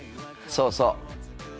そうそう。